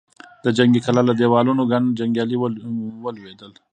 د جنګي کلا له دېوالونو ګڼ جنګيالي ولوېدل.